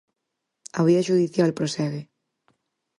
A vía xudicial prosegue.